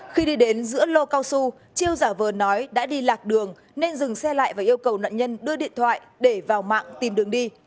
khi đi đến giữa lô cao su chiêu giả vờ nói đã đi lạc đường nên dừng xe lại và yêu cầu nạn nhân đưa điện thoại để vào mạng tìm đường đi